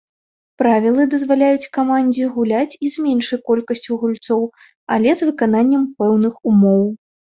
Правілы дазваляюць камандзе гуляць і з меншай колькасцю гульцоў, але з выкананнем пэўных умоў.